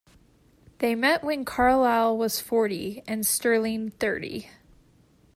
They met when Carlyle was forty, and Sterling thirty.